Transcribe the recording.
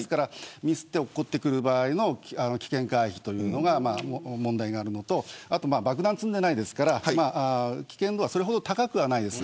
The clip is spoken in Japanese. ミスって落ちてくる場合の危険回避というのが問題があるのとあと、爆弾は積んでいないので危険度はそれほど高くはないです。